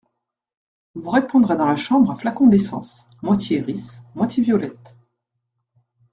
Vous répandrez dans la chambre un flacon d’essence… moitié iris, moitié violette.